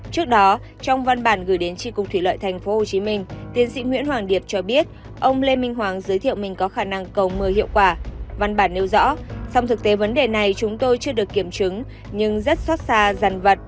trước đó trong văn bản gửi đến tri cục thủy lợi tp hcm tiến sĩ nguyễn hoàng điệp cho biết ông lê minh hoàng giới thiệu mình có khả năng cầu mưa hiệu quả